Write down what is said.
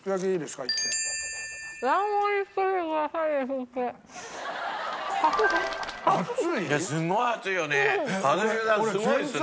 すごいですね。